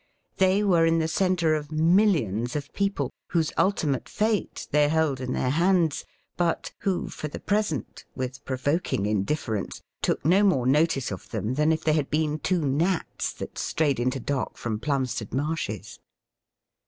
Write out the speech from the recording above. They were in the centre of millions of people, whose ultimate fate they held in their hands, but who, for *the present, with provoking indifference, took no more notice of them than if they had been two gnats that strayed into dock from Plumstead Marshes.